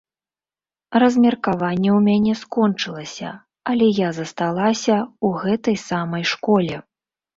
Размеркаванне ў мяне скончылася, але я засталася ў гэтай самай школе.